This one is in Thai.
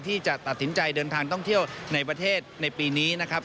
ที่จะตัดสินใจเดินทางท่องเที่ยวในประเทศในปีนี้นะครับ